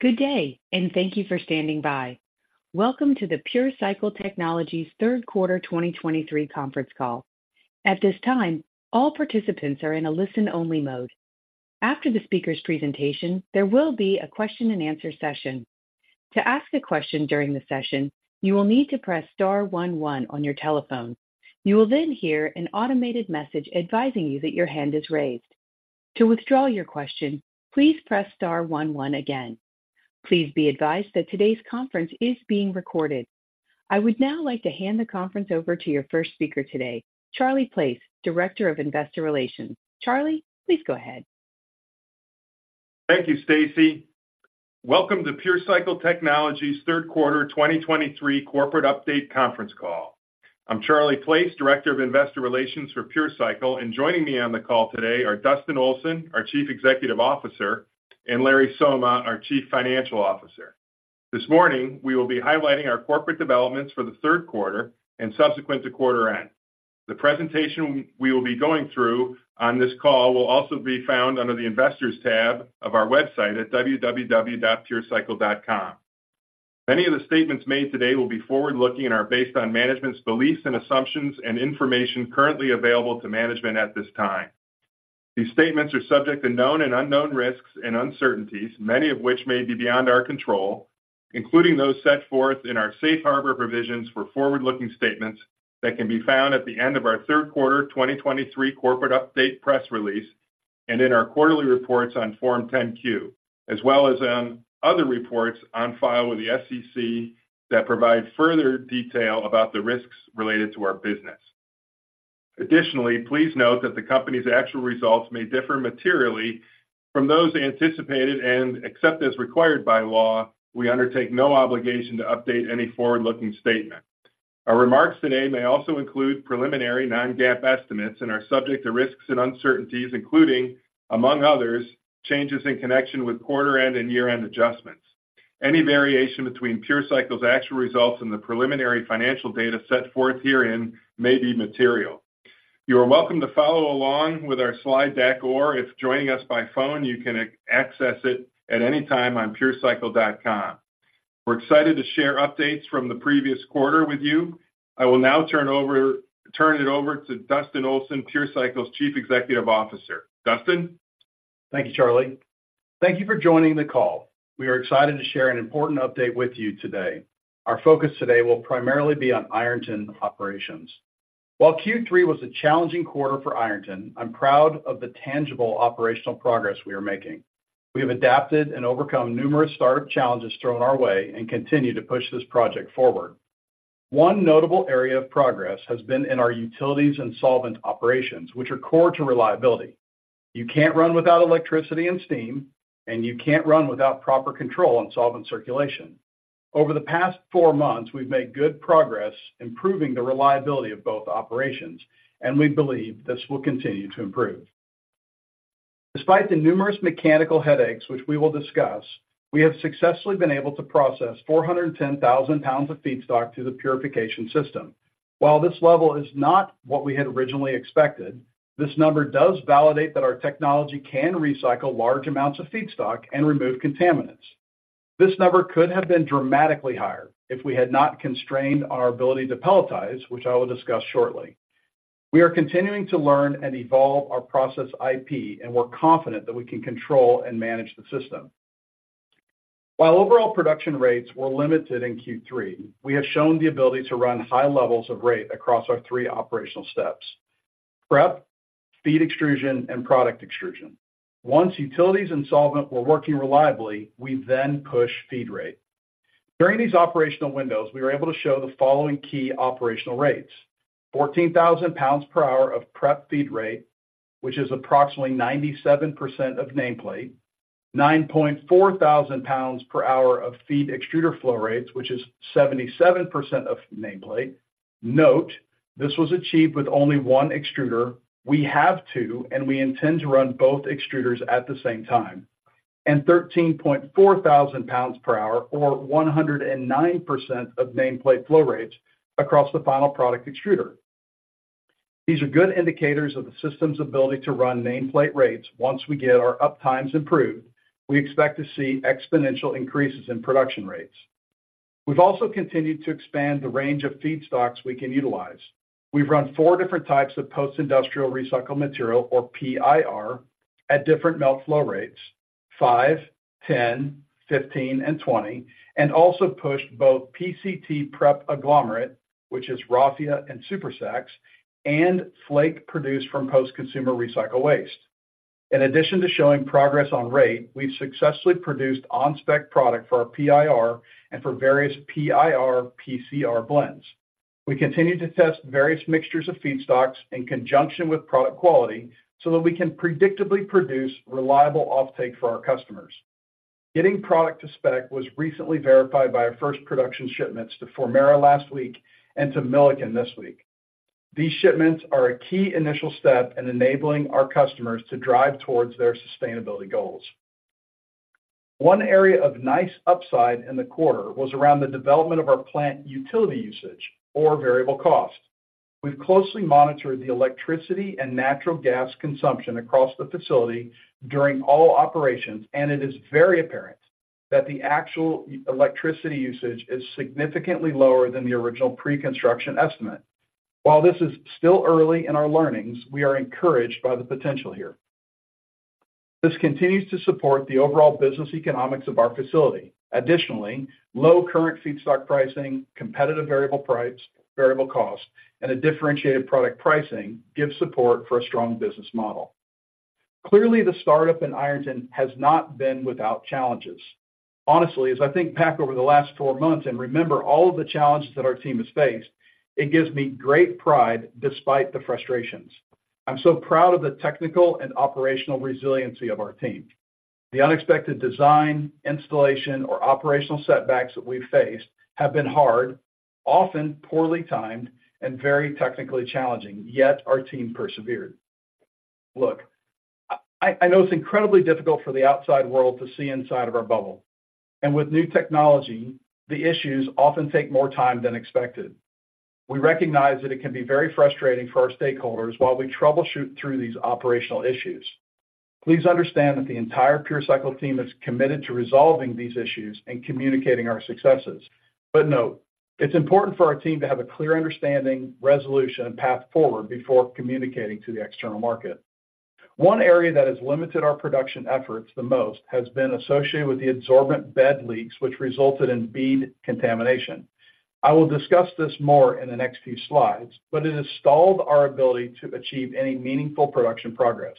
Good day, and thank you for standing by. Welcome to the PureCycle Technologies Third Quarter 2023 conference call. At this time, all participants are in a listen-only mode. After the speaker's presentation, there will be a question and answer session. To ask a question during the session, you will need to press star one one on your telephone. You will then hear an automated message advising you that your hand is raised. To withdraw your question, please press star one one again. Please be advised that today's conference is being recorded. I would now like to hand the conference over to your first speaker today, Charlie Place, Director of Investor Relations. Charlie, please go ahead. Thank you, Stacy. Welcome to PureCycle Technologies' third quarter 2023 corporate update conference call. I'm Charlie Place, Director of Investor Relations for PureCycle, and joining me on the call today are Dustin Olson, our Chief Executive Officer, and Larry Somma, our Chief Financial Officer. This morning, we will be highlighting our corporate developments for the third quarter and subsequent to quarter end. The presentation we will be going through on this call will also be found under the Investors tab of our website at www.purecycle.com. Many of the statements made today will be forward-looking and are based on management's beliefs and assumptions and information currently available to management at this time. These statements are subject to known and unknown risks and uncertainties, many of which may be beyond our control, including those set forth in our safe harbor provisions for forward-looking statements that can be found at the end of our third quarter 2023 corporate update press release and in our quarterly reports on Form 10-Q, as well as on other reports on file with the SEC that provide further detail about the risks related to our business. Additionally, please note that the company's actual results may differ materially from those anticipated, and except as required by law, we undertake no obligation to update any forward-looking statement. Our remarks today may also include preliminary non-GAAP estimates and are subject to risks and uncertainties, including, among others, changes in connection with quarter end and year-end adjustments. Any variation between PureCycle's actual results and the preliminary financial data set forth herein may be material. You are welcome to follow along with our slide deck, or if joining us by phone, you can access it at any time on purecycle.com. We're excited to share updates from the previous quarter with you. I will now turn it over to Dustin Olson, PureCycle's Chief Executive Officer. Dustin? Thank you, Charlie. Thank you for joining the call. We are excited to share an important update with you today. Our focus today will primarily be on Ironton operations. While Q3 was a challenging quarter for Ironton, I'm proud of the tangible operational progress we are making. We have adapted and overcome numerous startup challenges thrown our way and continue to push this project forward. One notable area of progress has been in our utilities and solvent operations, which are core to reliability. You can't run without electricity and steam, and you can't run without proper control on solvent circulation. Over the past four months, we've made good progress improving the reliability of both operations, and we believe this will continue to improve. Despite the numerous mechanical headaches, which we will discuss, we have successfully been able to process 410,000 pounds of feedstock through the purification system. While this level is not what we had originally expected, this number does validate that our technology can recycle large amounts of feedstock and remove contaminants. This number could have been dramatically higher if we had not constrained our ability to pelletize, which I will discuss shortly. We are continuing to learn and evolve our process IP, and we're confident that we can control and manage the system. While overall production rates were limited in Q3, we have shown the ability to run high levels of rate across our three operational steps: prep, feed extrusion, and product extrusion. Once utilities and solvent were working reliably, we then pushed feed rate. During these operational windows, we were able to show the following key operational rates: 14,000 pounds per hour of prep feed rate, which is approximately 97% of nameplate, 9,400 pounds per hour of feed extruder flow rates, which is 77% of nameplate. Note, this was achieved with only one extruder. We have two, and we intend to run both extruders at the same time, and 13,400 pounds per hour or 109% of nameplate flow rates across the final product extruder. These are good indicators of the system's ability to run nameplate rates. Once we get our up times improved, we expect to see exponential increases in production rates. We've also continued to expand the range of feedstocks we can utilize. We've run four different types of post-industrial recycled material, or PIR, at different melt flow rates, 5, 10, 15, and 20, and also pushed both PCT prep agglomerate, which is raffia and super sacks, and flake produced from post-consumer recycled waste. In addition to showing progress on rate, we've successfully produced on-spec product for our PIR and for various PIR, PCR blends. We continue to test various mixtures of feedstocks in conjunction with product quality so that we can predictably produce reliable offtake for our customers. Getting product to spec was recently verified by our first production shipments to Formerra last week and to Milliken this week. These shipments are a key initial step in enabling our customers to drive towards their sustainability goals. One area of nice upside in the quarter was around the development of our plant utility usage or variable cost... We've closely monitored the electricity and natural gas consumption across the facility during all operations, and it is very apparent that the actual electricity usage is significantly lower than the original pre-construction estimate. While this is still early in our learnings, we are encouraged by the potential here. This continues to support the overall business economics of our facility. Additionally, low current feedstock pricing, competitive variable cost, and a differentiated product pricing give support for a strong business model. Clearly, the startup in Ironton has not been without challenges. Honestly, as I think back over the last four months and remember all of the challenges that our team has faced, it gives me great pride despite the frustrations. I'm so proud of the technical and operational resiliency of our team. The unexpected design, installation, or operational setbacks that we've faced have been hard, often poorly timed, and very technically challenging, yet our team persevered. Look, I, I know it's incredibly difficult for the outside world to see inside of our bubble, and with new technology, the issues often take more time than expected. We recognize that it can be very frustrating for our stakeholders while we troubleshoot through these operational issues. Please understand that the entire PureCycle team is committed to resolving these issues and communicating our successes. But note, it's important for our team to have a clear understanding, resolution, and path forward before communicating to the external market. One area that has limited our production efforts the most has been associated with the adsorbent bed leaks, which resulted in bead contamination. I will discuss this more in the next few slides, but it has stalled our ability to achieve any meaningful production progress.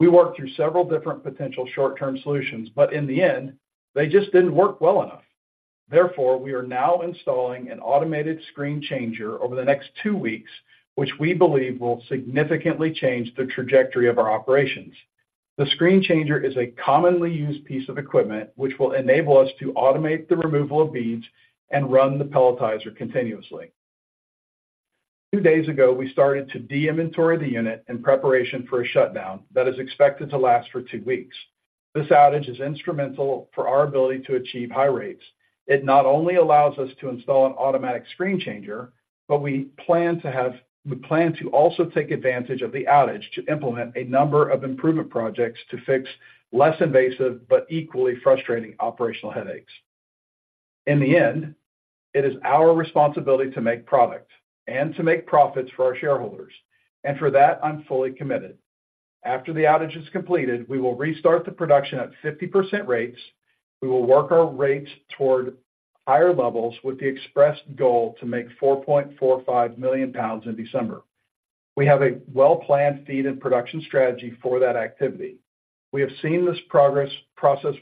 We worked through several different potential short-term solutions, but in the end, they just didn't work well enough. Therefore, we are now installing an automated screen changer over the next two weeks, which we believe will significantly change the trajectory of our operations. The screen changer is a commonly used piece of equipment, which will enable us to automate the removal of beads and run the pelletizer continuously. Two days ago, we started to de-inventory the unit in preparation for a shutdown that is expected to last for two weeks. This outage is instrumental for our ability to achieve high rates. It not only allows us to install an automatic screen changer, but we plan to also take advantage of the outage to implement a number of improvement projects to fix less invasive but equally frustrating operational headaches. In the end, it is our responsibility to make product and to make profits for our shareholders, and for that, I'm fully committed. After the outage is completed, we will restart the production at 50% rates. We will work our rates toward higher levels with the express goal to make 4.45 million pounds in December. We have a well-planned feed and production strategy for that activity. We have seen this process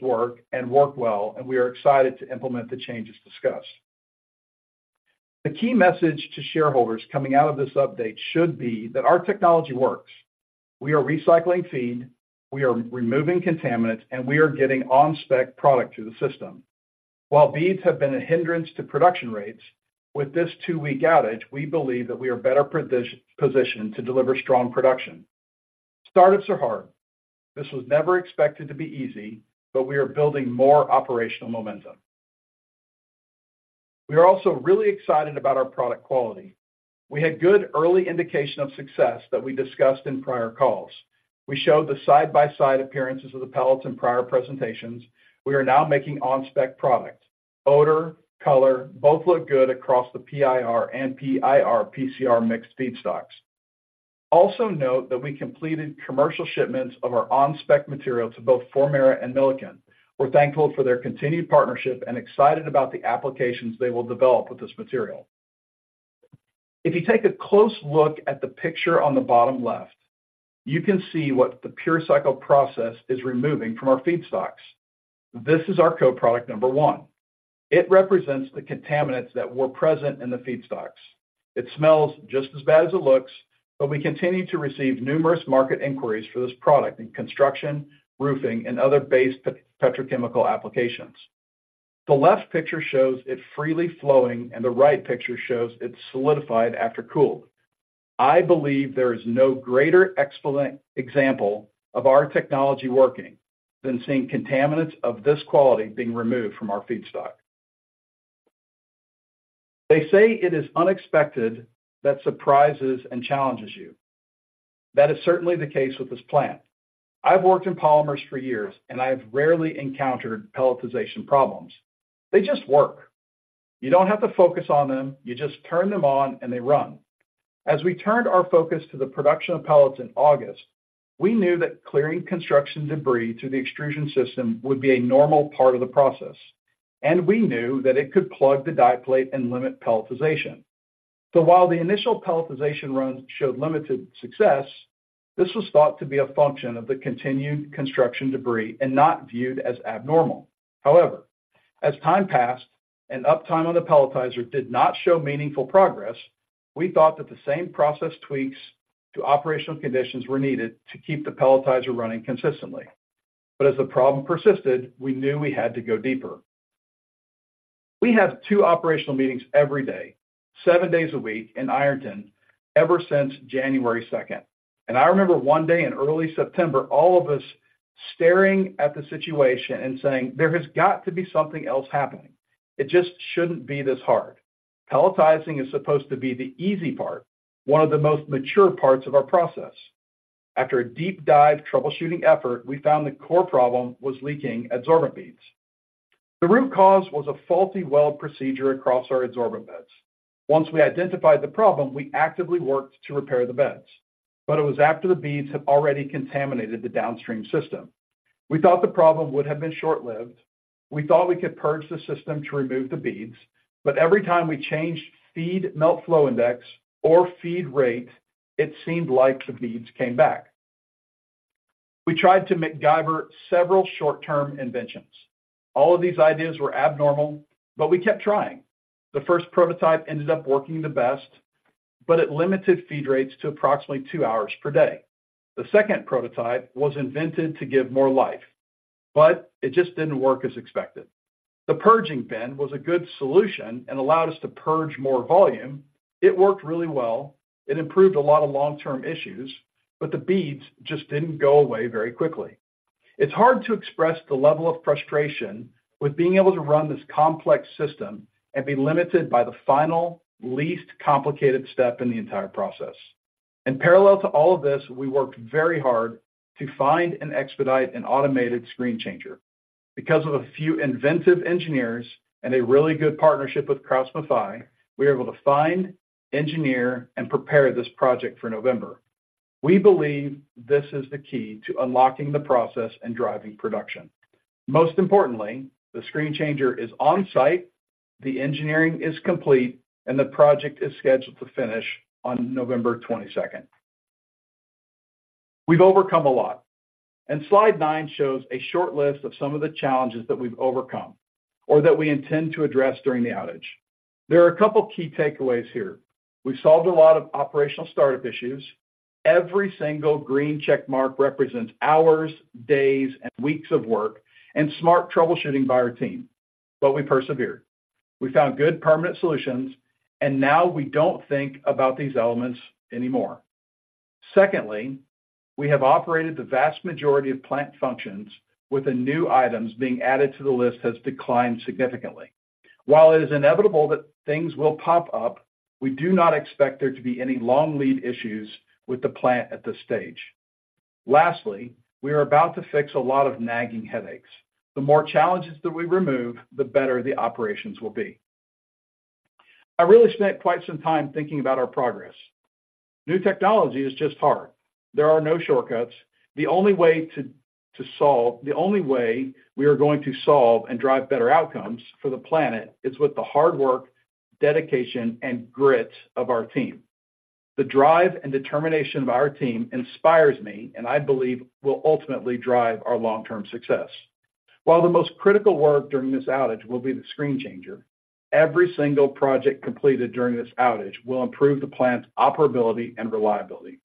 work and work well, and we are excited to implement the changes discussed. The key message to shareholders coming out of this update should be that our technology works. We are recycling feed, we are removing contaminants, and we are getting on-spec product through the system. While beads have been a hindrance to production rates, with this two-week outage, we believe that we are better positioned to deliver strong production. Startups are hard. This was never expected to be easy, but we are building more operational momentum. We are also really excited about our product quality. We had good early indication of success that we discussed in prior calls. We showed the side-by-side appearances of the pellets in prior presentations. We are now making on-spec product. Odor, color, both look good across the PIR and PIR/PCR mixed feedstocks. Also note that we completed commercial shipments of our on-spec material to both Formerra and Milliken. We're thankful for their continued partnership and excited about the applications they will develop with this material. If you take a close look at the picture on the bottom left, you can see what the PureCycle process is removing from our feedstocks. This is our co-product number one. It represents the contaminants that were present in the feedstocks. It smells just as bad as it looks, but we continue to receive numerous market inquiries for this product in construction, roofing, and other base petrochemical applications. The left picture shows it freely flowing, and the right picture shows it solidified after cooled. I believe there is no greater example of our technology working than seeing contaminants of this quality being removed from our feedstock. They say it is unexpected that surprises and challenges you. That is certainly the case with this plant. I've worked in polymers for years, and I have rarely encountered pelletization problems. They just work. You don't have to focus on them, you just turn them on, and they run. As we turned our focus to the production of pellets in August, we knew that clearing construction debris to the extrusion system would be a normal part of the process, and we knew that it could plug the die plate and limit pelletization. So while the initial pelletization runs showed limited success, this was thought to be a function of the continued construction debris and not viewed as abnormal. However, as time passed and uptime on the pelletizer did not show meaningful progress, we thought that the same process tweaks to operational conditions were needed to keep the pelletizer running consistently. But as the problem persisted, we knew we had to go deeper. We have two operational meetings every day, seven days a week in Ironton, ever since January second. I remember one day in early September, all of us staring at the situation and saying, "There has got to be something else happening. It just shouldn't be this hard." Pelletizing is supposed to be the easy part, one of the most mature parts of our process. After a deep dive troubleshooting effort, we found the core problem was leaking adsorbent beads. The root cause was a faulty weld procedure across our adsorbent beds. Once we identified the problem, we actively worked to repair the beds, but it was after the beads had already contaminated the downstream system. We thought the problem would have been short-lived. We thought we could purge the system to remove the beads, but every time we changed feed melt flow index or feed rate, it seemed like the beads came back. We tried to MacGyver several short-term inventions. All of these ideas were abnormal, but we kept trying. The first prototype ended up working the best, but it limited feed rates to approximately 2 hours per day. The second prototype was invented to give more life, but it just didn't work as expected. The purging bin was a good solution and allowed us to purge more volume. It worked really well. It improved a lot of long-term issues, but the beads just didn't go away very quickly. It's hard to express the level of frustration with being able to run this complex system and be limited by the final, least complicated step in the entire process. In parallel to all of this, we worked very hard to find and expedite an automated screen changer. Because of a few inventive engineers and a really good partnership with KraussMaffei, we were able to find, engineer, and prepare this project for November. We believe this is the key to unlocking the process and driving production. Most importantly, the screen changer is on-site, the engineering is complete, and the project is scheduled to finish on November 22nd. We've overcome a lot, and slide nine shows a short list of some of the challenges that we've overcome or that we intend to address during the outage. There are a couple of key takeaways here. We've solved a lot of operational startup issues. Every single green checkmark represents hours, days, and weeks of work and smart troubleshooting by our team. But we persevered. We found good permanent solutions, and now we don't think about these elements anymore. Secondly, we have operated the vast majority of plant functions, with the new items being added to the list has declined significantly. While it is inevitable that things will pop up, we do not expect there to be any long lead issues with the plant at this stage. Lastly, we are about to fix a lot of nagging headaches. The more challenges that we remove, the better the operations will be. I really spent quite some time thinking about our progress. New technology is just hard. There are no shortcuts. The only way we are going to solve and drive better outcomes for the planet is with the hard work, dedication, and grit of our team. The drive and determination of our team inspires me and I believe will ultimately drive our long-term success. While the most critical work during this outage will be the screen changer, every single project completed during this outage will improve the plant's operability and reliability.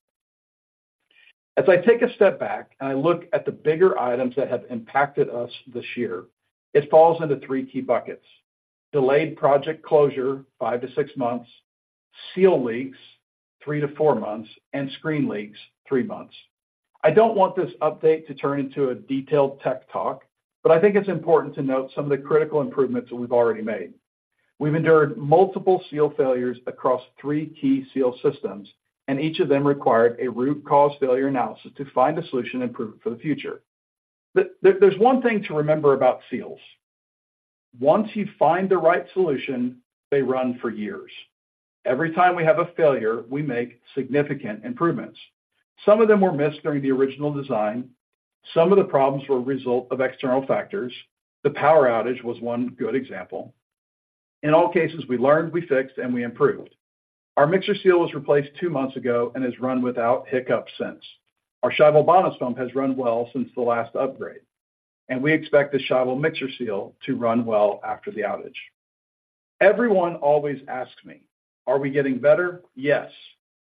As I take a step back and I look at the bigger items that have impacted us this year, it falls into three key buckets: delayed project closure, 5-6 months, seal leaks, 3-4 months, and screen leaks, three months. I don't want this update to turn into a detailed tech talk, but I think it's important to note some of the critical improvements that we've already made. We've endured multiple seal failures across three key seal systems, and each of them required a root cause failure analysis to find a solution and improve it for the future. There's one thing to remember about seals. Once you find the right solution, they run for years. Every time we have a failure, we make significant improvements. Some of them were missed during the original design. Some of the problems were a result of external factors. The power outage was one good example. In all cases, we learned, we fixed, and we improved. Our mixer seal was replaced two months ago and has run without hiccup since. Our Scheibel bottoms pump has run well since the last upgrade, and we expect the Scheibel mixer seal to run well after the outage. Everyone always asks me, "Are we getting better?" Yes,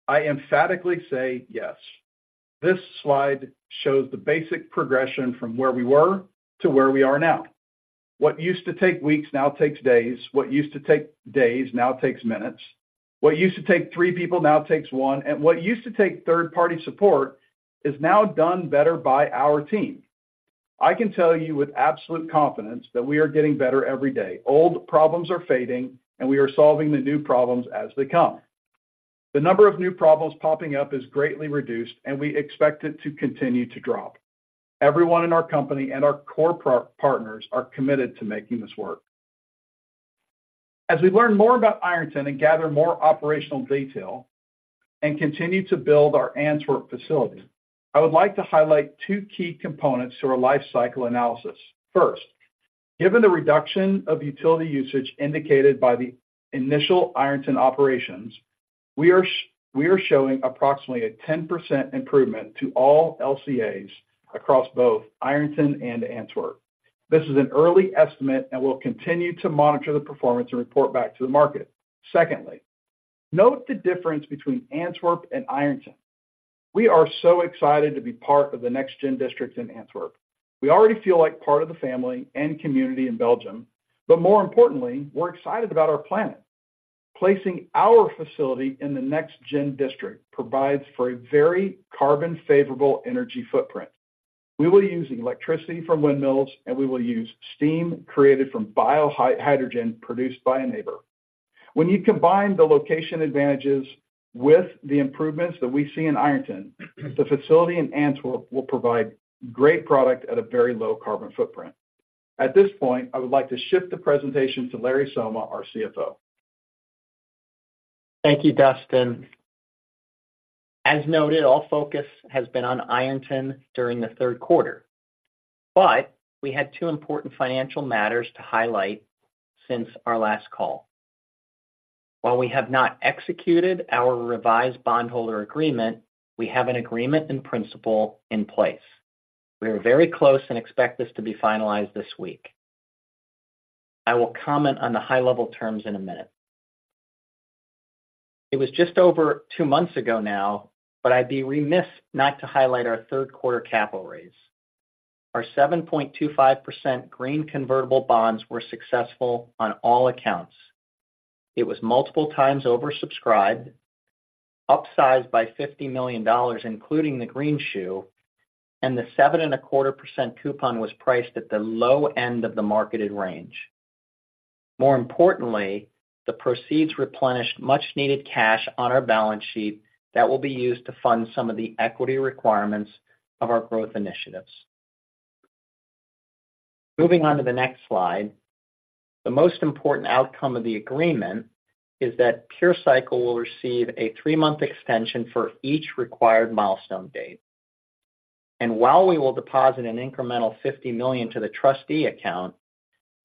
I emphatically say yes. This slide shows the basic progression from where we were to where we are now. What used to take weeks now takes days. What used to take days now takes minutes. What used to take three people now takes one, and what used to take third-party support is now done better by our team. I can tell you with absolute confidence that we are getting better every day. Old problems are fading, and we are solving the new problems as they come. The number of new problems popping up is greatly reduced, and we expect it to continue to drop. Everyone in our company and our core partners are committed to making this work. As we learn more about Ironton and gather more operational detail and continue to build our Antwerp facility, I would like to highlight two key components to our Life Cycle Analysis. First, given the reduction of utility usage indicated by the initial Ironton operations, we are showing approximately a 10% improvement to all LCAs across both Ironton and Antwerp. This is an early estimate, and we'll continue to monitor the performance and report back to the market. Secondly, note the difference between Antwerp and Ironton. We are so excited to be part of the NextGen District in Antwerp. We already feel like part of the family and community in Belgium, but more importantly, we're excited about our planet… placing our facility in the NextGen District provides for a very carbon-favorable energy footprint. We will be using electricity from windmills, and we will use steam created from hydrogen produced by a neighbor. When you combine the location advantages with the improvements that we see in Ironton, the facility in Antwerp will provide great product at a very low carbon footprint. At this point, I would like to shift the presentation to Larry Somma, our CFO. Thank you, Dustin. As noted, all focus has been on Ironton during the third quarter, but we had two important financial matters to highlight since our last call. While we have not executed our revised bondholder agreement, we have an agreement in principle in place. We are very close and expect this to be finalized this week. I will comment on the high-level terms in a minute. It was just over two months ago now, but I'd be remiss not to highlight our third quarter capital raise. Our 7.25% green convertible bonds were successful on all accounts. It was multiple times oversubscribed, upsized by $50 million, including the green shoe, and the 7.25% coupon was priced at the low end of the marketed range. More importantly, the proceeds replenished much-needed cash on our balance sheet that will be used to fund some of the equity requirements of our growth initiatives. Moving on to the next slide. The most important outcome of the agreement is that PureCycle will receive a three-month extension for each required milestone date. And while we will deposit an incremental $50 million to the trustee account,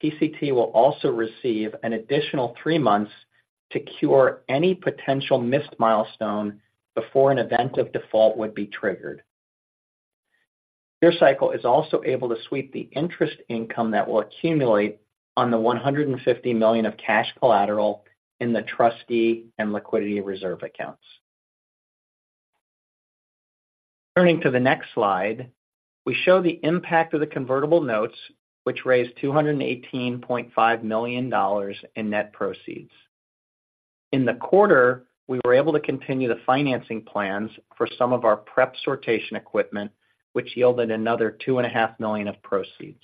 PCT will also receive an additional three months to cure any potential missed milestone before an event of default would be triggered. PureCycle is also able to sweep the interest income that will accumulate on the $150 million of cash collateral in the trustee and liquidity reserve accounts. Turning to the next slide, we show the impact of the convertible notes, which raised $218.5 million in net proceeds. In the quarter, we were able to continue the financing plans for some of our prep sortation equipment, which yielded another $2.5 million of proceeds.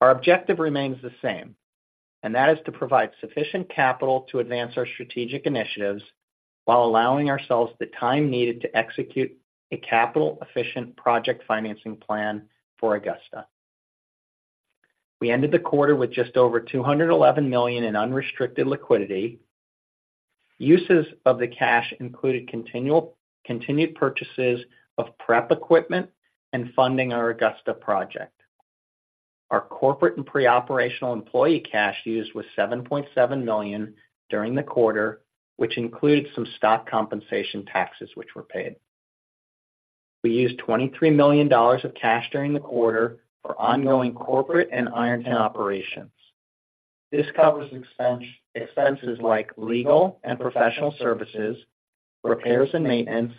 Our objective remains the same, and that is to provide sufficient capital to advance our strategic initiatives while allowing ourselves the time needed to execute a capital-efficient project financing plan for Augusta. We ended the quarter with just over $211 million in unrestricted liquidity. Uses of the cash included continued purchases of prep equipment and funding our Augusta project. Our corporate and pre-operational employee cash use was $7.7 million during the quarter, which includes some stock compensation taxes, which were paid. We used $23 million of cash during the quarter for ongoing corporate and Ironton operations. This covers expense, expenses like legal and professional services, repairs and maintenance,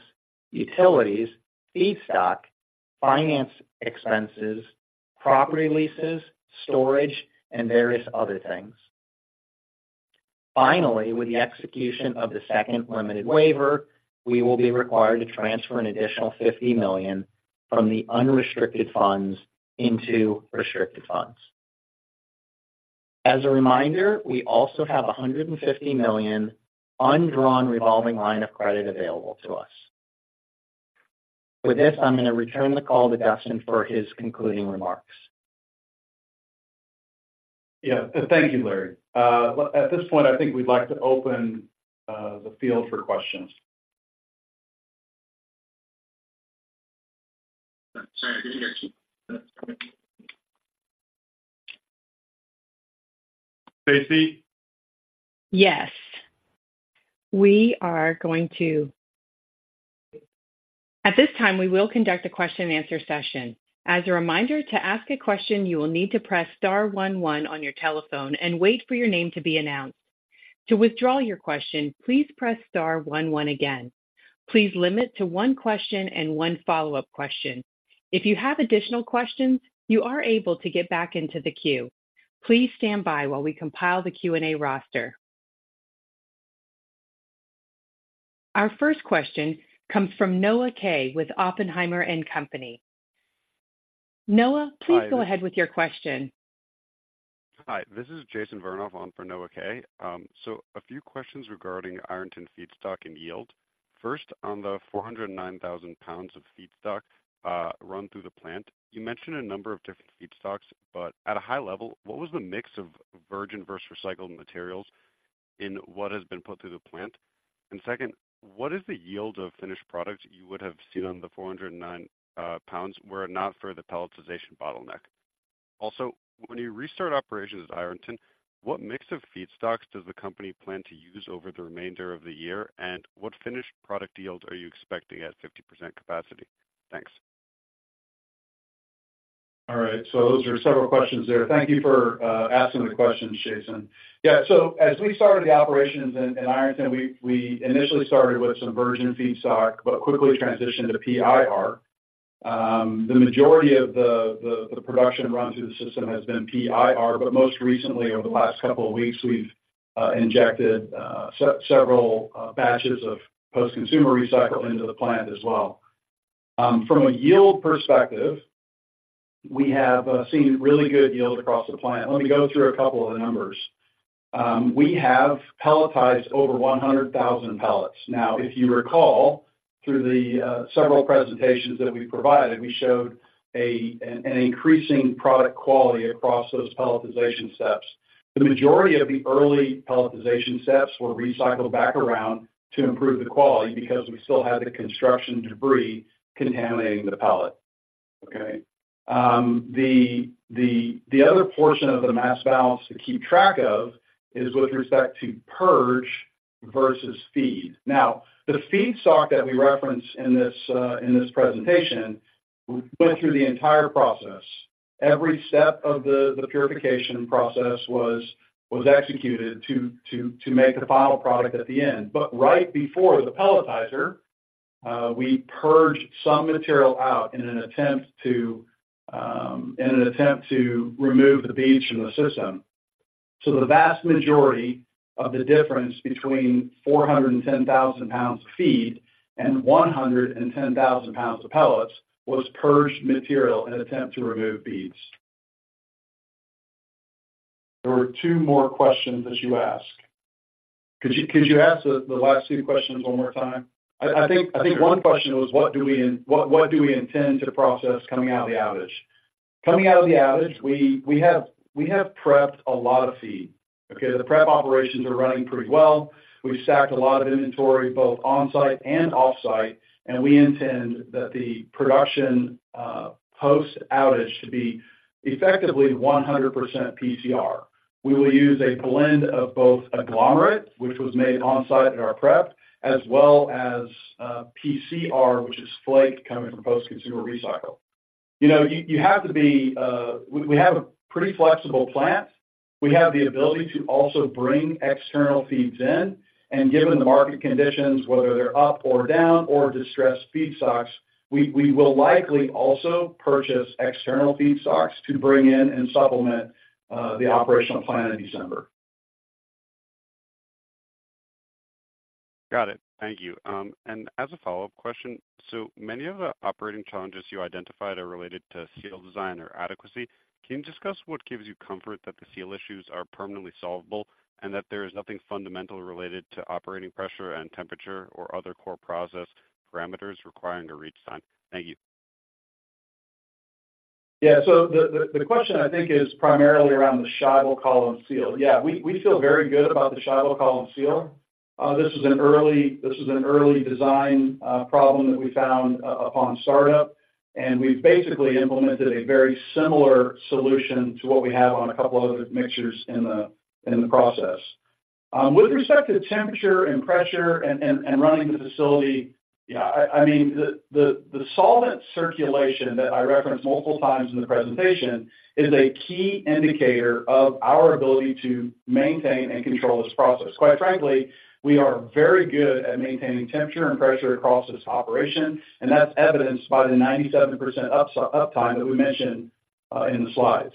utilities, feedstock, finance expenses, property leases, storage, and various other things. Finally, with the execution of the second limited waiver, we will be required to transfer an additional $50 million from the unrestricted funds into restricted funds. As a reminder, we also have a $150 million undrawn revolving line of credit available to us. With this, I'm going to return the call to Dustin for his concluding remarks. Yeah. Thank you, Larry. Well, at this point, I think we'd like to open the field for questions. Sorry, I didn't hear you. Stacy? At this time, we will conduct a question and answer session. As a reminder, to ask a question, you will need to press star one one on your telephone and wait for your name to be announced. To withdraw your question, please press star one one again. Please limit to one question and one follow-up question. If you have additional questions, you are able to get back into the queue. Please stand by while we compile the Q&A roster. Our first question comes from Noah Kaye with Oppenheimer and Company. Noah- Hi. Please go ahead with your question. Hi, this is Jason Vernoff on for Noah Kaye. So a few questions regarding Ironton feedstock and yield. First, on the 409,000 pounds of feedstock run through the plant, you mentioned a number of different feedstocks, but at a high level, what was the mix of virgin versus recycled materials in what has been put through the plant? And second, what is the yield of finished products you would have seen on the 409,000 pounds, were it not for the pelletization bottleneck? Also, when you restart operations at Ironton, what mix of feedstocks does the company plan to use over the remainder of the year? And what finished product yield are you expecting at 50% capacity? Thanks. All right, so those are several questions there. Thank you for asking the questions, Jason. Yeah, so as we started the operations in Ironton, we initially started with some virgin feedstock, but quickly transitioned to PIR. The majority of the production run through the system has been PIR, but most recently, over the last couple of weeks, we've injected several batches of post-consumer recycled into the plant as well. From a yield perspective, we have seen really good yields across the plant. Let me go through a couple of the numbers. We have pelletized over 100,000 pellets. Now, if you recall, through the several presentations that we provided, we showed an increasing product quality across those pelletization steps. The majority of the early pelletization steps were recycled back around to improve the quality because we still had the construction debris contaminating the pellet. Okay? The other portion of the mass balance to keep track of is with respect to purge versus feed. Now, the feedstock that we reference in this presentation went through the entire process. Every step of the purification process was executed to make the final product at the end. But right before the pelletizer, we purged some material out in an attempt to remove the beads from the system. So the vast majority of the difference between 410,000 pounds of feed and 110,000 pounds of pellets was purged material in an attempt to remove beads. There were two more questions that you asked. Could you ask the last two questions one more time? I think one question was, what do we intend to process coming out of the outage? Coming out of the outage, we have prepped a lot of feed, okay? The prep operations are running pretty well. We've stacked a lot of inventory, both on-site and off-site, and we intend that the production post-outage to be effectively 100% PCR. We will use a blend of both agglomerate, which was made on-site at our prep, as well as PCR, which is flake coming from post-consumer recycle. You know, you have to be... We have a pretty flexible plant. We have the ability to also bring external feeds in, and given the market conditions, whether they're up or down or distressed feedstocks, we will likely also purchase external feedstocks to bring in and supplement the operational plan in December. Got it. Thank you. As a follow-up question, so many of the operating challenges you identified are related to seal design or adequacy. Can you discuss what gives you comfort that the seal issues are permanently solvable and that there is nothing fundamental related to operating pressure and temperature or other core process parameters requiring a reach time? Thank you. Yeah. So the question, I think, is primarily around the Scheibel column seal. Yeah, we feel very good about the Scheibel column seal. This is an early design problem that we found upon startup, and we've basically implemented a very similar solution to what we have on a couple of other mixtures in the process. With respect to temperature and pressure and running the facility, yeah, I mean, the solvent circulation that I referenced multiple times in the presentation is a key indicator of our ability to maintain and control this process. Quite frankly, we are very good at maintaining temperature and pressure across this operation, and that's evidenced by the 97% uptime that we mentioned in the slides.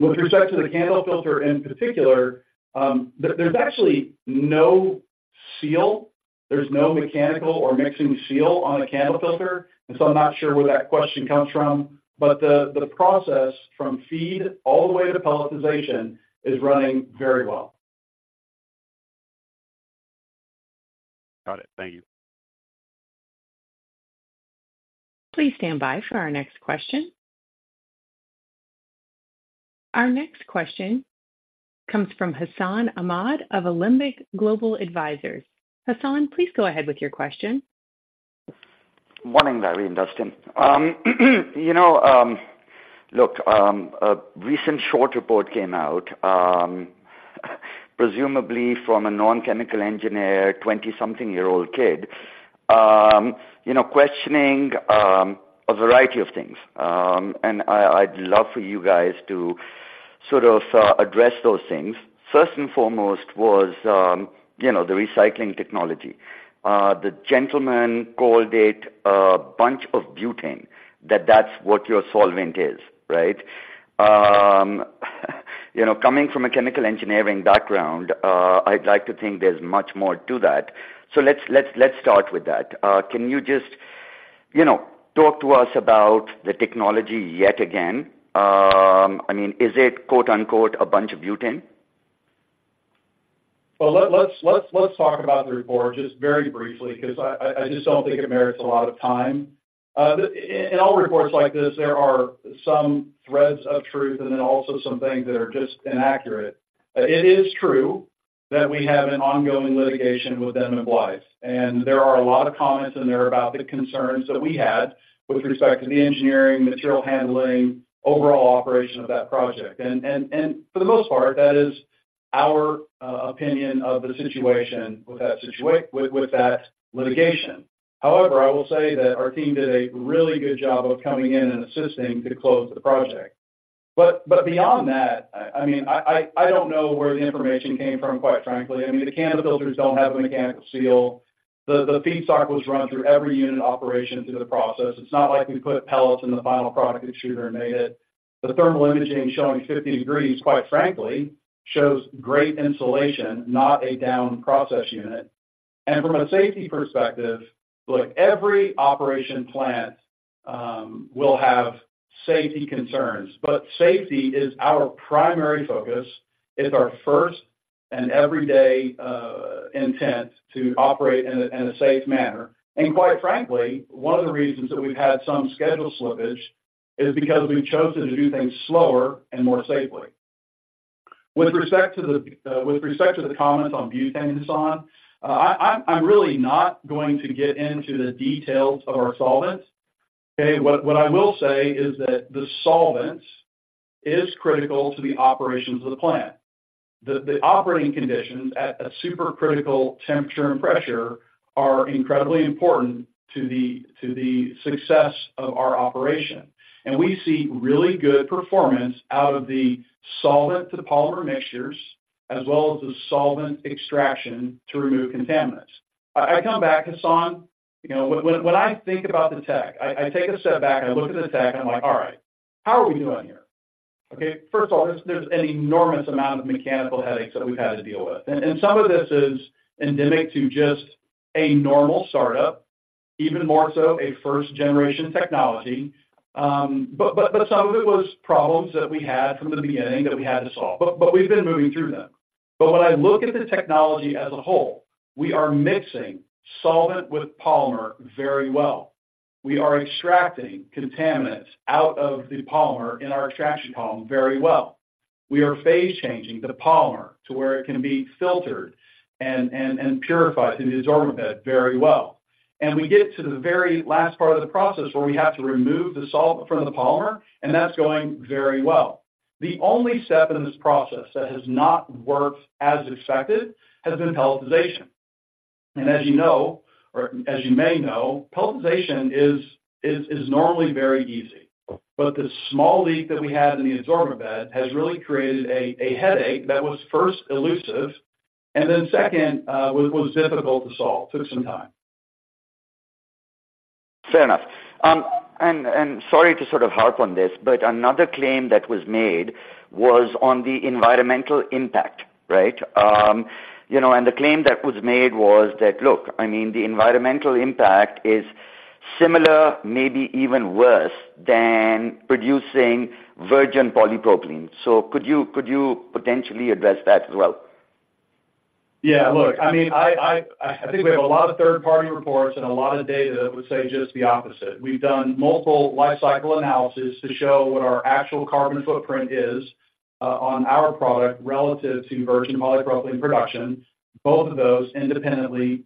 With respect to the candle filter, in particular, there's actually no seal. There's no mechanical or mixing seal on a candle filter, and so I'm not sure where that question comes from, but the process from feed all the way to pelletization is running very well. Got it. Thank you. Please stand by for our next question. Our next question comes from Hassan Ahmed of Alembic Global Advisors. Hassan, please go ahead with your question. Morning, Larry and Dustin. You know, look, a recent short report came out, presumably from a non-chemical engineer, twenty-something-year-old kid, you know, questioning, a variety of things. And I, I'd love for you guys to sort of, address those things. First and foremost was, you know, the recycling technology. The gentleman called it a bunch of butane, that that's what your solvent is, right? You know, coming from a chemical engineering background, I'd like to think there's much more to that. So let's, let's, let's start with that. Can you just, you know, talk to us about the technology yet again? I mean, is it, quote-unquote, "a bunch of butane? Well, let's talk about the report just very briefly, because I just don't think it merits a lot of time. In all reports like this, there are some threads of truth and then also some things that are just inaccurate. It is true that we have an ongoing litigation with Denham-Blythe, and there are a lot of comments in there about the concerns that we had with respect to the engineering, material handling, overall operation of that project. And for the most part, that is our opinion of the situation with that litigation. However, I will say that our team did a really good job of coming in and assisting to close the project. But beyond that, I mean, I don't know where the information came from, quite frankly. I mean, the candle filters don't have a mechanical seal. The feedstock was run through every unit operation through the process. It's not like we put pellets in the final product extruder and made it. The thermal imaging showing 50 degrees, quite frankly, shows great insulation, not a down process unit. From a safety perspective, look, every operation plant will have safety concerns, but safety is our primary focus. It's our first and every day intent to operate in a safe manner. And quite frankly, one of the reasons that we've had some schedule slippage is because we've chosen to do things slower and more safely. With respect to the comments on butane, Hassan, I'm really not going to get into the details of our solvents, okay? What I will say is that the solvent is critical to the operations of the plant. The operating conditions at supercritical temperature and pressure are incredibly important to the success of our operation. And we see really good performance out of the solvent to the polymer mixtures, as well as the solvent extraction to remove contaminants. I come back, Hassan, you know, when I think about the tech, I take a step back, I look at the tech, I'm like: All right, how are we doing here? Okay, first of all, there's an enormous amount of mechanical headaches that we've had to deal with, and some of this is endemic to just a normal startup, even more so, a first-generation technology. But some of it was problems that we had from the beginning that we had to solve, but we've been moving through them. But when I look at the technology as a whole, we are mixing solvent with polymer very well. We are extracting contaminants out of the polymer in our extraction column very well. We are phase changing the polymer to where it can be filtered and purified in the absorber bed very well. And we get to the very last part of the process where we have to remove the solvent from the polymer, and that's going very well. The only step in this process that has not worked as expected has been pelletization. And as you know, or as you may know, pelletization is normally very easy. But the small leak that we had in the adsorbent bed has really created a headache that was first elusive, and then second, was difficult to solve. Took some time. Fair enough. And sorry to sort of harp on this, but another claim that was made was on the environmental impact, right? You know, and the claim that was made was that, look, I mean, the environmental impact is similar, maybe even worse than producing virgin polypropylene. So could you, could you potentially address that as well? Yeah, look, I mean, I think we have a lot of third-party reports and a lot of data that would say just the opposite. We've done multiple life cycle analysis to show what our actual carbon footprint is on our product relative to virgin polypropylene production. Both of those independently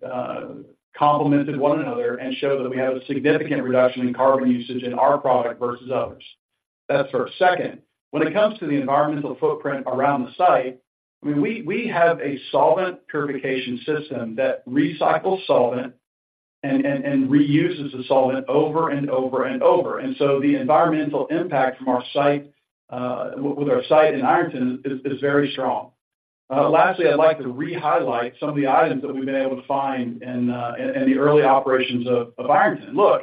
complemented one another and show that we have a significant reduction in carbon usage in our product versus others. That's first. Second, when it comes to the environmental footprint around the site, I mean, we have a solvent purification system that recycles solvent and reuses the solvent over and over and over. So the environmental impact from our site with our site in Ironton is very strong. Lastly, I'd like to re-highlight some of the items that we've been able to find in, in the early operations of, of Ironton. Look,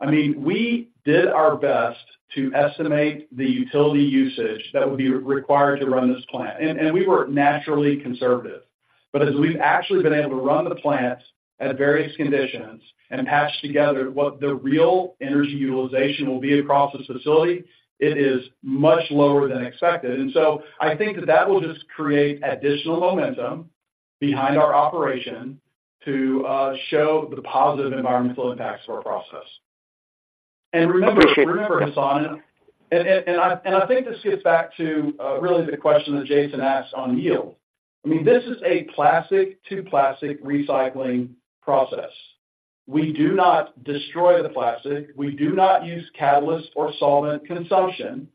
I mean, we did our best to estimate the utility usage that would be required to run this plant, and, and we were naturally conservative. But as we've actually been able to run the plant at various conditions and patched together what the real energy utilization will be across this facility, it is much lower than expected. And so I think that will just create additional momentum behind our operation to, show the positive environmental impacts of our process. Appreciate- And remember, remember, Hassan, I think this gets back to really the question that Jason asked on yield. I mean, this is a plastic to plastic recycling process. We do not destroy the plastic. We do not use catalyst or solvent consumption.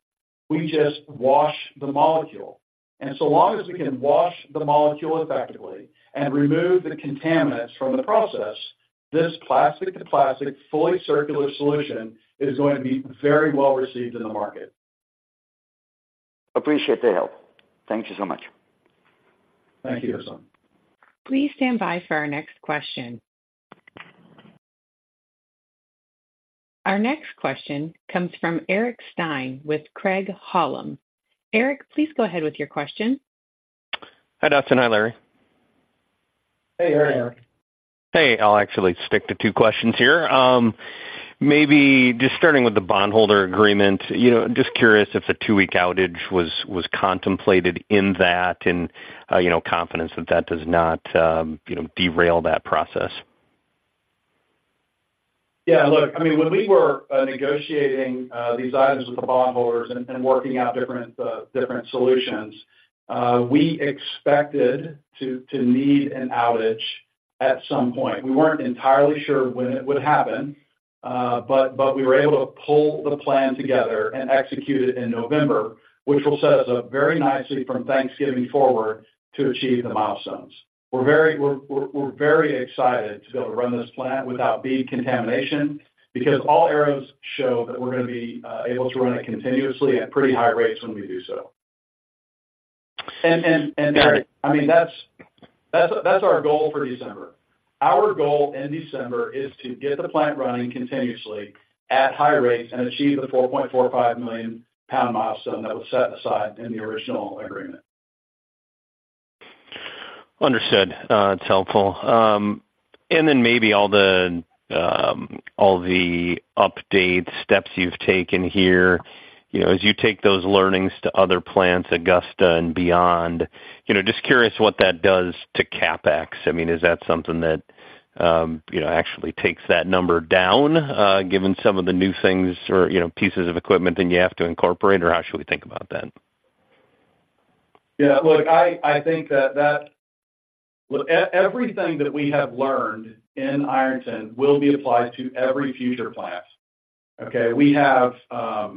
We just wash the molecule. And so long as we can wash the molecule effectively and remove the contaminants from the process, this plastic to plastic, fully circular solution is going to be very well received in the market. Appreciate the help. Thank you so much. Thank you, Hassan. Please stand by for our next question. Our next question comes from Eric Stine with Craig-Hallum. Eric, please go ahead with your question. Hi, Dustin. Hi, Larry. Hey, Eric. Hey, I'll actually stick to two questions here. Maybe just starting with the bondholder agreement. You know, just curious if the two-week outage was contemplated in that and, you know, confidence that that does not, you know, derail that process. Yeah, look, I mean, when we were negotiating these items with the bondholders and working out different solutions, we expected to need an outage at some point. We weren't entirely sure when it would happen, but we were able to pull the plan together and execute it in November, which will set us up very nicely from Thanksgiving forward to achieve the milestones. We're very excited to be able to run this plant without bead contamination because all arrows show that we're going to be able to run it continuously at pretty high rates when we do so. And, Gary, I mean, that's our goal for December. Our goal in December is to get the plant running continuously at high rates and achieve the 4.45 million pound milestone that was set aside in the original agreement. Understood. It's helpful. And then maybe all the updates, steps you've taken here, you know, as you take those learnings to other plants, Augusta and beyond, you know, just curious what that does to CapEx. I mean, is that something that, you know, actually takes that number down, given some of the new things or, you know, pieces of equipment, and you have to incorporate, or how should we think about that? Yeah, look, I think that—Look, everything that we have learned in Ironton will be applied to every future plant, okay? We have a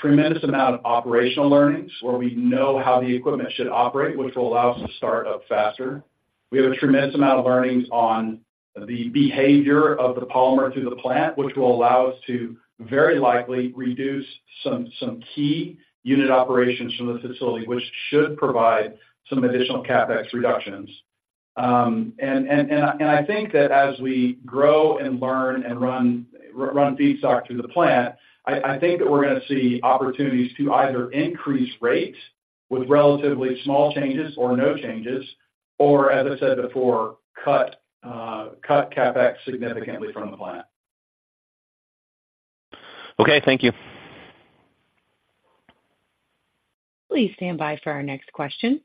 tremendous amount of operational learnings where we know how the equipment should operate, which will allow us to start up faster. We have a tremendous amount of learnings on the behavior of the polymer through the plant, which will allow us to very likely reduce some key unit operations from the facility, which should provide some additional CapEx reductions. And I think that as we grow and learn and run feedstock through the plant, I think that we're gonna see opportunities to either increase rates with relatively small changes or no changes, or as I said before, cut CapEx significantly from the plant. Okay, thank you. Please stand by for our next question.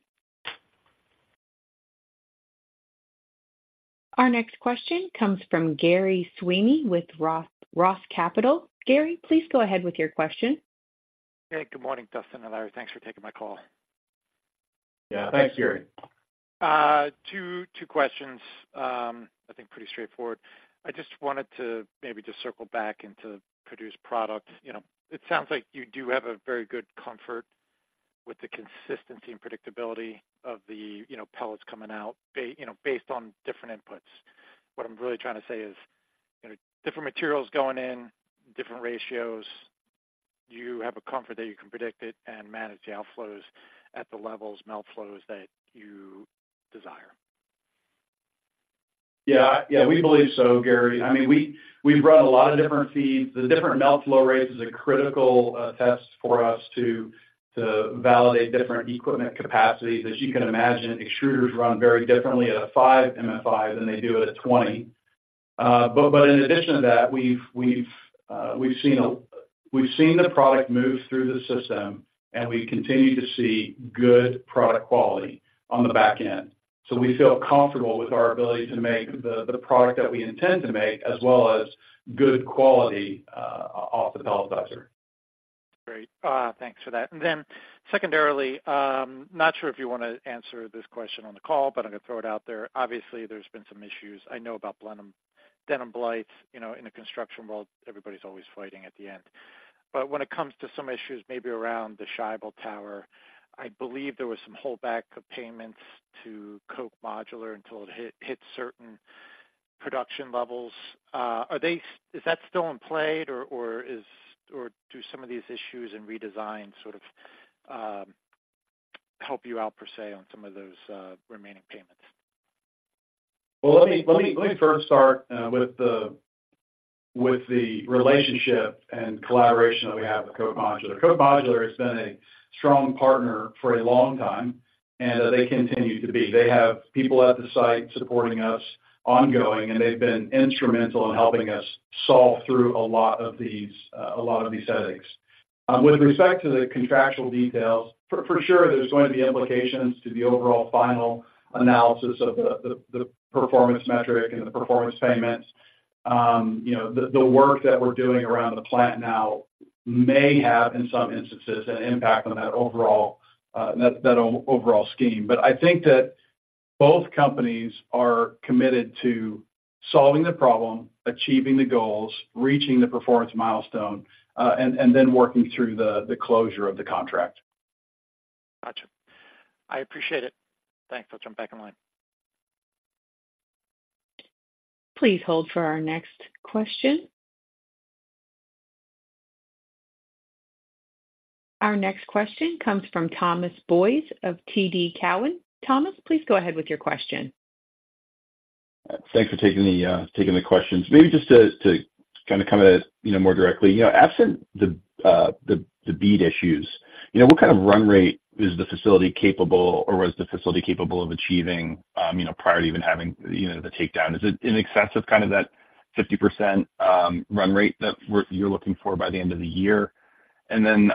Our next question comes from Gerry Sweeney with Roth, Roth Capital. Gary, please go ahead with your question. Hey, good morning, Dustin and Larry. Thanks for taking my call. Yeah. Thanks, Gary. 2, 2 questions, I think pretty straightforward. I just wanted to maybe just circle back into produced product. You know, it sounds like you do have a very good comfort with the consistency and predictability of the, you know, pellets coming out you know, based on different inputs. What I'm really trying to say is, you know, different materials going in, different ratios, you have a comfort that you can predict it and manage the outflows at the levels, melt flows that you desire? Yeah. Yeah, we believe so, Gary. I mean, we've run a lot of different feeds. The different melt flow rates is a critical test for us to validate different equipment capacities. As you can imagine, extruders run very differently at a five MFI than they do at a 20. But in addition to that, we've seen the product move through the system, and we continue to see good product quality on the back end. So we feel comfortable with our ability to make the product that we intend to make, as well as good quality off the pelletizer. Great. Thanks for that. And then secondarily, not sure if you wanna answer this question on the call, but I'm gonna throw it out there. Obviously, there's been some issues I know about Blenheim--Blenheim Blight. You know, in the construction world, everybody's always fighting at the end. But when it comes to some issues, maybe around the Scheibel column, I believe there was some holdback of payments to Koch Modular until it hit certain production levels. Are they--Is that still in play, or, or is--or do some of these issues and redesign sort of help you out per se, on some of those remaining payments? Well, let me first start with the relationship and collaboration that we have with Koch Modular. Koch Modular has been a strong partner for a long time, and they continue to be. They have people at the site supporting us ongoing, and they've been instrumental in helping us solve through a lot of these headaches. With respect to the contractual details, for sure, there's going to be implications to the overall final analysis of the performance metric and the performance payments. You know, the work that we're doing around the plant now may have, in some instances, an impact on that overall scheme. I think that both companies are committed to solving the problem, achieving the goals, reaching the performance milestone, and then working through the closure of the contract. Gotcha. I appreciate it. Thanks. I'll jump back in line. Please hold for our next question. Our next question comes from Thomas Boyes of TD Cowen. Thomas, please go ahead with your question. Thanks for taking the questions. Maybe just to kind of come at it, you know, more directly, you know, absent the bead issues, you know, what kind of run rate is the facility capable or was the facility capable of achieving, you know, prior to even having, you know, the takedown? Is it in excess of kind of that 50% run rate that we're-- you're looking for by the end of the year? And then,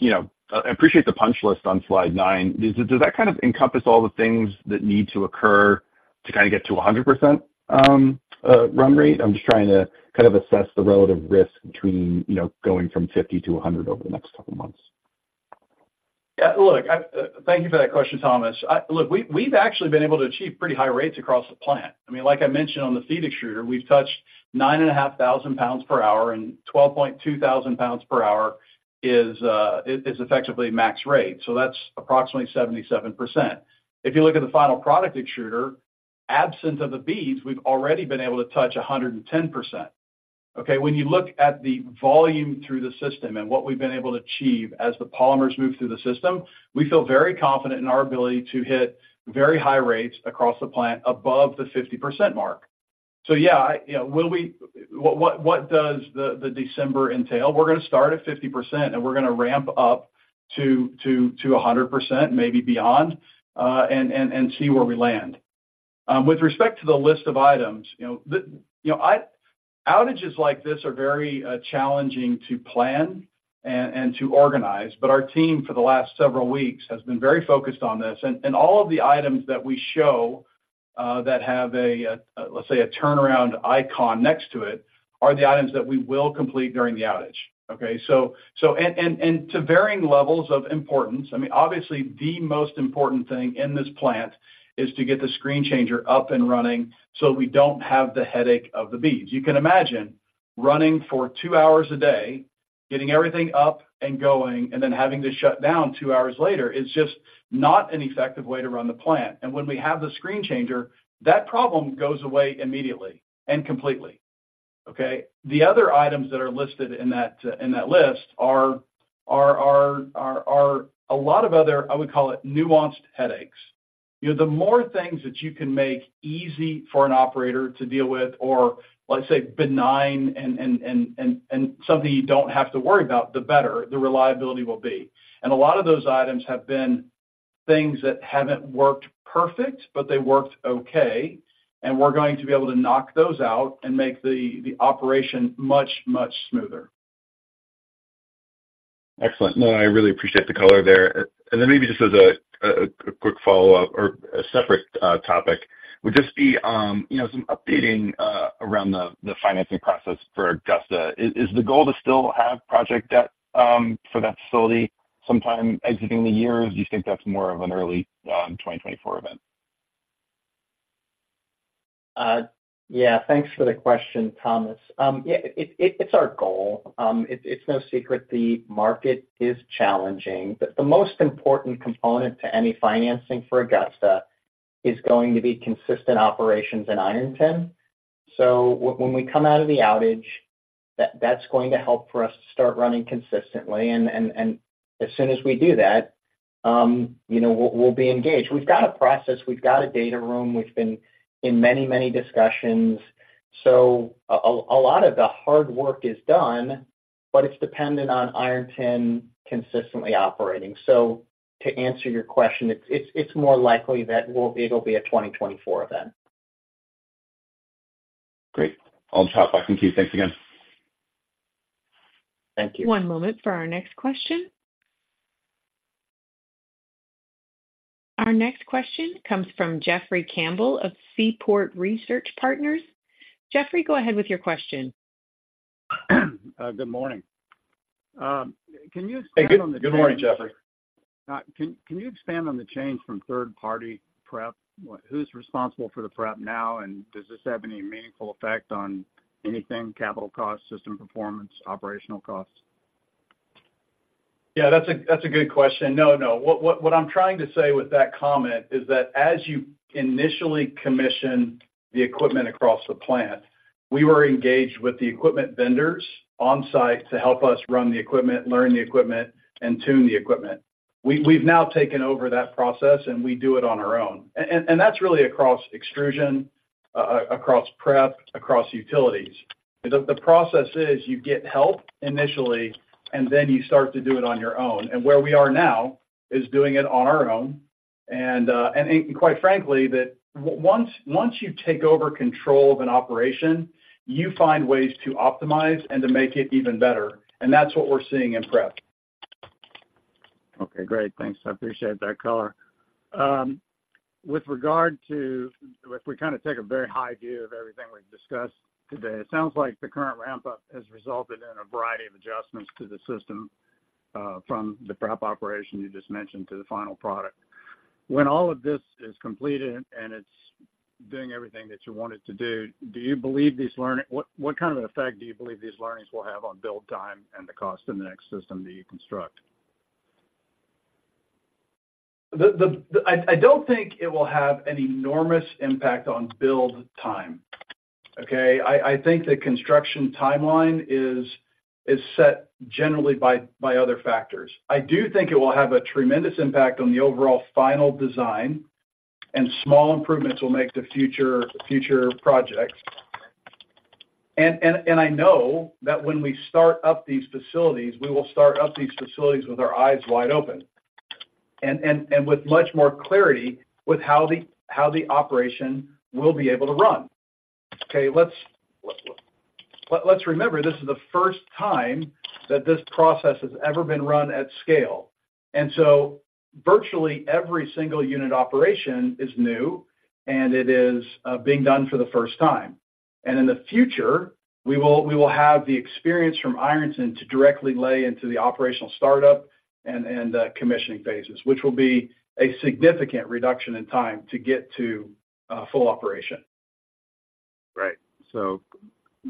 you know, I appreciate the punch list on slide nine. Does it-- Does that kind of encompass all the things that need to occur to kind of get to 100% run rate? I'm just trying to kind of assess the relative risk between, you know, going from 50 to 100 over the next couple of months. Yeah, look, thank you for that question, Thomas. Look, we've actually been able to achieve pretty high rates across the plant. I mean, like I mentioned on the feed extruder, we've touched 9,500 pounds per hour, and 12,200 pounds per hour is effectively max rate, so that's approximately 77%. If you look at the final product extruder, absent of the beads, we've already been able to touch 110%. Okay, when you look at the volume through the system and what we've been able to achieve as the polymers move through the system, we feel very confident in our ability to hit very high rates across the plant above the 50% mark. So, yeah, yeah, what does the December entail? We're gonna start at 50%, and we're gonna ramp up to 100%, maybe beyond, and see where we land. With respect to the list of items, you know, outages like this are very challenging to plan and to organize, but our team, for the last several weeks, has been very focused on this. And all of the items that we show that have a, let's say, a turnaround icon next to it, are the items that we will complete during the outage, okay? So, to varying levels of importance. I mean, obviously, the most important thing in this plant is to get the screen changer up and running, so we don't have the headache of the beads. You can imagine running for two hours a day, getting everything up and going, and then having to shut down two hours later is just not an effective way to run the plant. And when we have the screen changer, that problem goes away immediately and completely, okay? The other items that are listed in that list are a lot of other, I would call it, nuanced headaches. You know, the more things that you can make easy for an operator to deal with, or let's say, benign and something you don't have to worry about, the better the reliability will be. And a lot of those items have been things that haven't worked perfect, but they worked okay. And we're going to be able to knock those out and make the operation much smoother. Excellent. No, I really appreciate the color there. And then maybe just as a quick follow-up or a separate topic, would just be, you know, some updating around the financing process for Augusta. Is the goal to still have project debt for that facility sometime exiting the year, or do you think that's more of an early 2024 event? Yeah, thanks for the question, Thomas. Yeah, it's our goal. It's no secret the market is challenging, but the most important component to any financing for Augusta is going to be consistent operations in Ironton. So when we come out of the outage, that's going to help us to start running consistently. And as soon as we do that, you know, we'll be engaged. We've got a process, we've got a data room, we've been in many, many discussions, so a lot of the hard work is done, but it's dependent on Ironton consistently operating. So to answer your question, it's more likely that we'll-- it'll be a 2024 event. Great. I'll drop back in the queue. Thanks again. Thank you. One moment for our next question. Our next question comes from Jeffrey Campbell of Seaport Research Partners. Jeffrey, go ahead with your question. Good morning. Can you expand on the- Good morning, Jeffrey. Can you expand on the change from third-party prep? What—who's responsible for the prep now, and does this have any meaningful effect on anything, capital costs, system performance, operational costs? Yeah, that's a good question. No, no. What I'm trying to say with that comment is that as you initially commission the equipment across the plant, we were engaged with the equipment vendors on-site to help us run the equipment, learn the equipment, and tune the equipment. We've now taken over that process, and we do it on our own. And that's really across extrusion, across prep, across utilities. The process is you get help initially, and then you start to do it on your own. And where we are now is doing it on our own, and quite frankly, once you take over control of an operation, you find ways to optimize and to make it even better, and that's what we're seeing in prep. Okay, great. Thanks. I appreciate that color. With regard to... If we kind of take a very high view of everything we've discussed today, it sounds like the current ramp-up has resulted in a variety of adjustments to the system, from the prep operation you just mentioned to the final product. When all of this is completed, and it's doing everything that you want it to do, do you believe these learnings—what kind of an effect do you believe these learnings will have on build time and the cost in the next system that you construct? I don't think it will have an enormous impact on build time, okay? I think the construction timeline is set generally by other factors. I do think it will have a tremendous impact on the overall final design, and small improvements will make the future projects. And I know that when we start up these facilities, we will start up these facilities with our eyes wide open, and with much more clarity with how the operation will be able to run. Okay, let's remember, this is the first time that this process has ever been run at scale, and so virtually every single unit operation is new, and it is being done for the first time. In the future, we will have the experience from Ironton to directly lay into the operational startup and commissioning phases, which will be a significant reduction in time to get to full operation. Right. So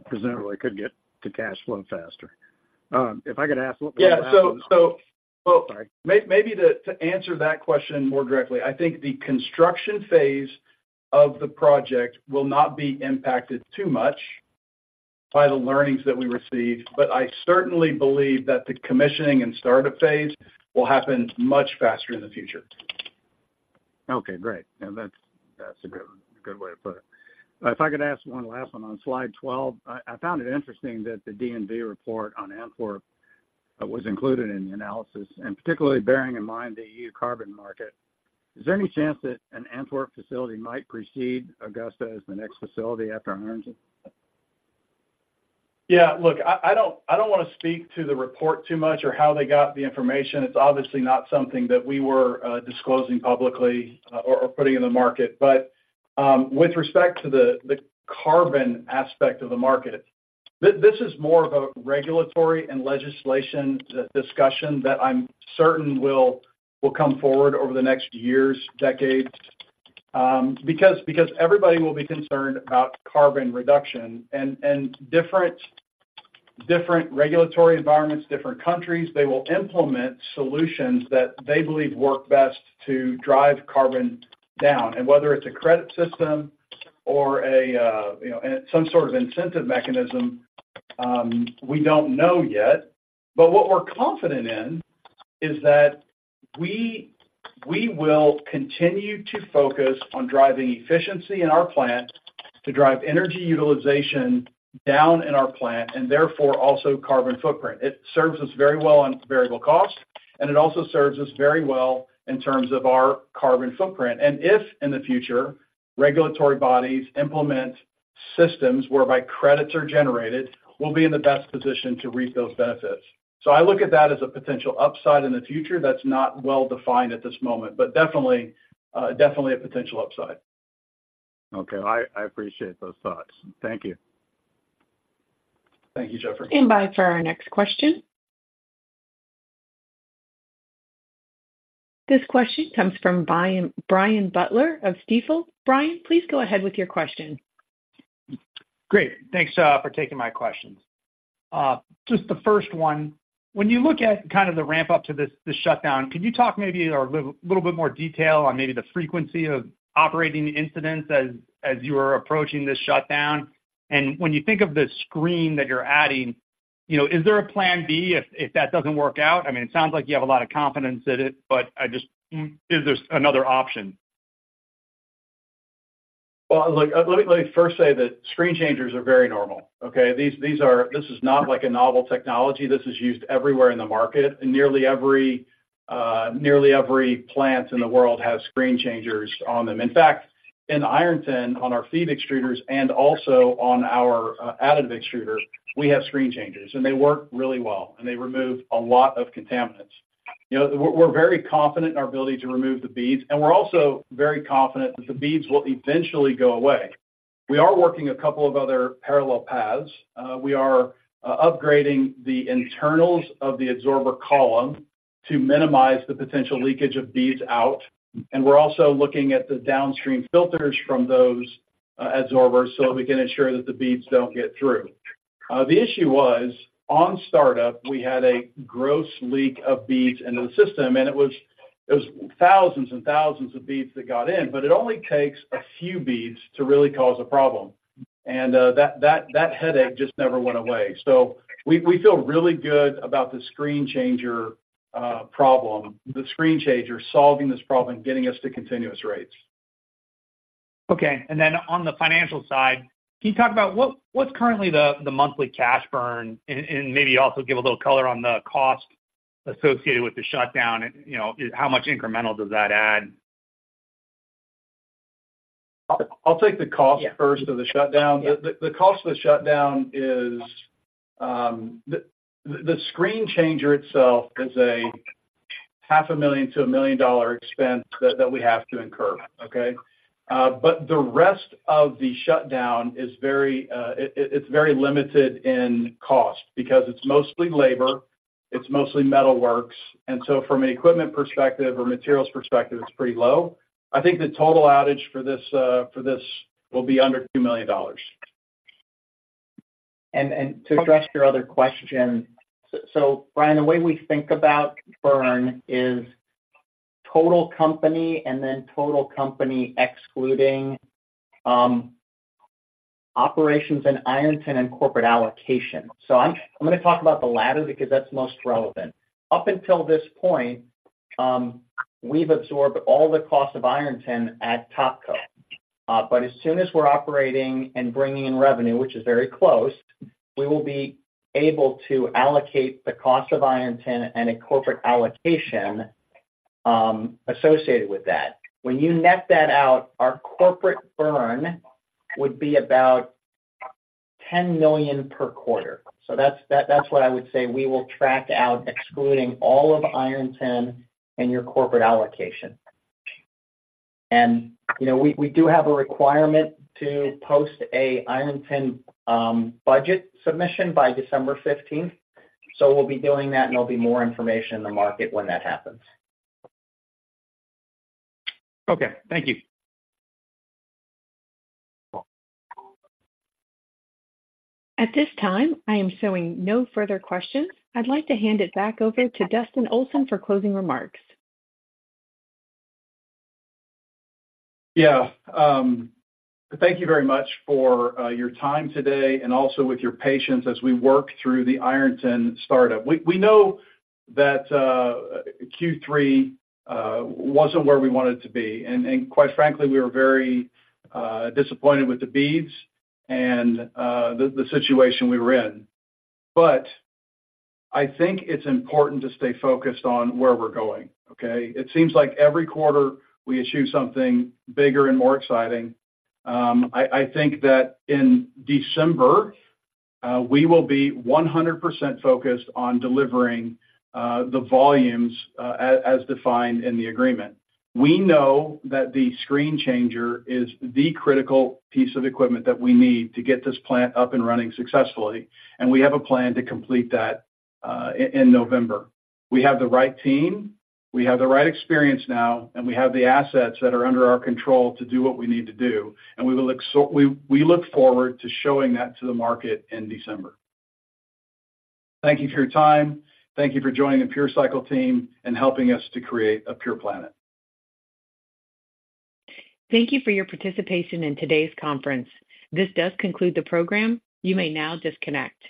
presumably, could get to cash flow faster. If I could ask what- Yeah. So, well, sorry, maybe to answer that question more directly, I think the construction phase of the project will not be impacted too much by the learnings that we received, but I certainly believe that the commissioning and startup phase will happen much faster in the future. Okay, great. That's, that's a good, good way to put it. If I could ask one last one on slide 12, I, I found it interesting that the DNV report on Antwerp was included in the analysis, and particularly bearing in mind the EU carbon market. Is there any chance that an Antwerp facility might precede Augusta as the next facility after Ironton? Yeah, look, I don't wanna speak to the report too much or how they got the information. It's obviously not something that we were disclosing publicly or putting in the market. But with respect to the carbon aspect of the market, this is more of a regulatory and legislation discussion that I'm certain will come forward over the next years, decades. Because everybody will be concerned about carbon reduction and different regulatory environments, different countries, they will implement solutions that they believe work best to drive carbon down. And whether it's a credit system or a you know and some sort of incentive mechanism, we don't know yet. But what we're confident in, is that we, we will continue to focus on driving efficiency in our plant to drive energy utilization down in our plant, and therefore, also carbon footprint. It serves us very well on variable cost, and it also serves us very well in terms of our carbon footprint. And if in the future, regulatory bodies implement systems whereby credits are generated, we'll be in the best position to reap those benefits. So I look at that as a potential upside in the future that's not well-defined at this moment, but definitely, definitely a potential upside. Okay. I appreciate those thoughts. Thank you. Thank you, Jeffrey. by for our next question. This question comes from Brian Butler of Stifel. Brian, please go ahead with your question. Great. Thanks for taking my questions. Just the first one: when you look at kind of the ramp-up to this, this shutdown, could you talk maybe or a little bit more detail on maybe the frequency of operating incidents as you were approaching this shutdown? And when you think of the screen that you're adding, you know, is there a plan B if that doesn't work out? I mean, it sounds like you have a lot of confidence in it, but I just, is there another option? Well, look, let me first say that screen changers are very normal, okay? These are not like a novel technology. This is used everywhere in the market. Nearly every plant in the world has screen changers on them. In fact, in Ironton, on our feed extruders and also on our additive extruder, we have screen changers, and they work really well, and they remove a lot of contaminants. You know, we're very confident in our ability to remove the beads, and we're also very confident that the beads will eventually go away. We are working a couple of other parallel paths. We are upgrading the internals of the absorber column to minimize the potential leakage of beads out, and we're also looking at the downstream filters from those absorbers so we can ensure that the beads don't get through. The issue was, on startup, we had a gross leak of beads into the system, and it was thousands and thousands of beads that got in, but it only takes a few beads to really cause a problem. And that headache just never went away. So we feel really good about the screen changer problem, the screen changer solving this problem, getting us to continuous rates. Okay. On the financial side, can you talk about what's currently the monthly cash burn? And maybe also give a little color on the cost associated with the shutdown and, you know, how much incremental does that add? I'll take the cost first- Yeah... of the shutdown. Yeah. The cost of the shutdown is... The screen changer itself is a $500,000-$1 million expense that we have to incur, okay? But the rest of the shutdown is very, it's very limited in cost because it's mostly labor, it's mostly metal works, and so from an equipment perspective or materials perspective, it's pretty low. I think the total outage for this, for this will be under $2 million. To address your other question, so Brian, the way we think about burn is total company and then total company excluding operations in Ironton and corporate allocation. So I'm gonna talk about the latter because that's most relevant. Up until this point, we've absorbed all the costs of Ironton at TopCo. But as soon as we're operating and bringing in revenue, which is very close, we will be able to allocate the cost of Ironton and a corporate allocation associated with that. When you net that out, our corporate burn would be about $10 million per quarter. So that's what I would say. We will track out excluding all of Ironton and your corporate allocation. You know, we do have a requirement to post an Ironton budget submission by December fifteenth. We'll be doing that, and there'll be more information in the market when that happens. Okay. Thank you. Cool. At this time, I am showing no further questions. I'd like to hand it back over to Dustin Olson for closing remarks. Yeah. Thank you very much for your time today and also with your patience as we work through the Ironton startup. We know that Q3 wasn't where we wanted to be, and quite frankly, we were very disappointed with the beads and the situation we were in. But I think it's important to stay focused on where we're going, okay? It seems like every quarter we achieve something bigger and more exciting. I think that in December we will be 100% focused on delivering the volumes as defined in the agreement. We know that the screen changer is the critical piece of equipment that we need to get this plant up and running successfully, and we have a plan to complete that in November. We have the right team, we have the right experience now, and we have the assets that are under our control to do what we need to do, and we will execute. We look forward to showing that to the market in December. Thank you for your time. Thank you for joining the PureCycle team and helping us to create a pure planet. Thank you for your participation in today's conference. This does conclude the program. You may now disconnect.